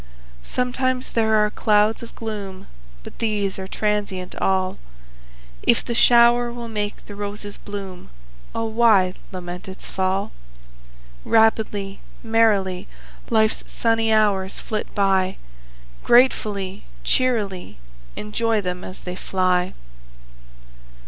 Sometimes there are clouds of gloom, But these are transient all; If the shower will make the roses bloom, O why lament its fall? Rapidly, merrily, Life's sunny hours flit by, Gratefully, cheerily Enjoy them as they fly!